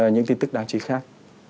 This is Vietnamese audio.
những tin tức đáng chí khác